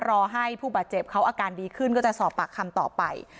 รอให้ผู้บาดเจ็บเขาอาการดีขึ้นก็จะสอบปากคำต่อไป